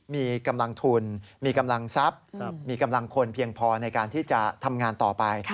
มีกำลังทุนมีกำลังทรัพย์มีกำลังคนเพียงพอในการที่จะทำงานต่อไป